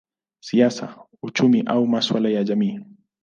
siasa, uchumi au masuala ya jamii.